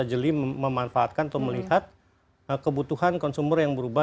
jeli memanfaatkan atau melihat kebutuhan konsumer yang berubah